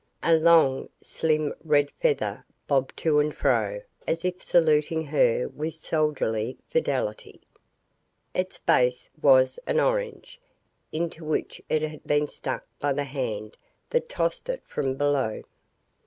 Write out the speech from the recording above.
A long, slim red feather bobbed to and fro as if saluting her with soldierly fidelity. Its base was an orange, into which it had been stuck by the hand that tossed it from below.